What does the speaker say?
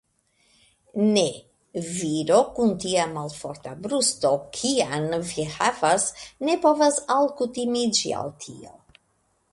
Ne; viro kun tia malforta brusto, kian vi havas, ne povas alkutimiĝi al tio.